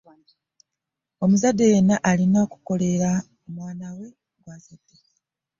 omuzadde yenna alina okukolerera omwana gw'azadde.